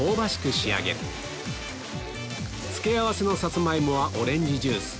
仕上げる付け合わせのサツマイモはオレンジジュース